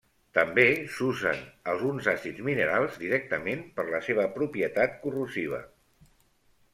També s'usen alguns àcids minerals directament per la seva propietat corrosiva.